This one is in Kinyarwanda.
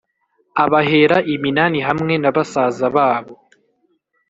Abahera iminani hamwe na basaza babo